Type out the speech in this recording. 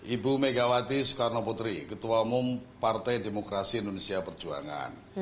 ibu megawati soekarno putri ketua umum partai demokrasi indonesia perjuangan